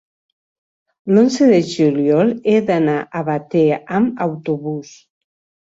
l'onze de juliol he d'anar a Batea amb autobús.